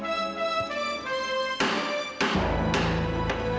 tidak tidak tidak